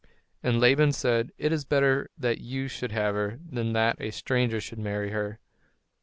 And Laban said, "It is better that you should have her, than that a stranger should marry her."